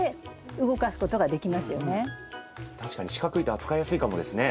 確かに四角いと扱いやすいかもですね。